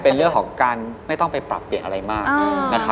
เป็นเรื่องของการไม่ต้องไปปรับเปลี่ยนอะไรมาก